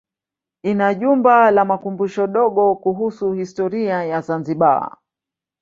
Ina jumba la makumbusho dogo kuhusu historia ya Zanzibar.